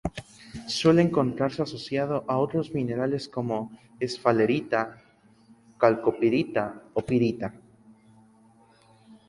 Suele encontrarse asociado a otros minerales como: esfalerita, calcopirita o pirita.